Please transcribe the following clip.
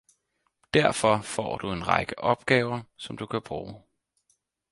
derfor får du en række opgaver som du kan bruge